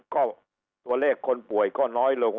ก็ตัวเลขคนป่วยก็น้อยลง